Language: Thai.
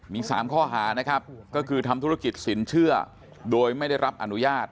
มี๓ข้อหานะครับก็คือทำธุรกิจสินเชื่อโดยไม่ได้รับอนุญาต